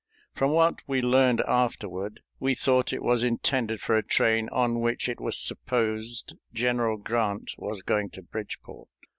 From what we learned afterward, we thought it was intended for a train on which it was supposed General Grant was going to Bridgeport.